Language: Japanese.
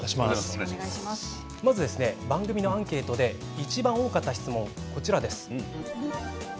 まず番組のアンケートでいちばん多かった質問です。